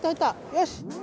よし！